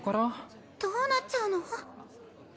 ・どうなっちゃうの？